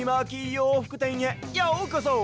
ようふくてんへようこそ！